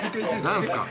何すか？